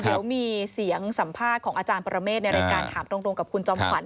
เดี๋ยวมีเสียงสัมภาษณ์ของอาจารย์ปรเมฆในรายการถามตรงกับคุณจอมขวัญ